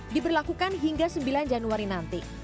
diberlakukan hingga sembilan januari nanti